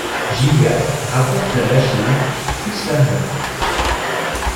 Gilliatt rapporte la machine, plus l’argent !